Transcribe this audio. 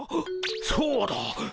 そうだ。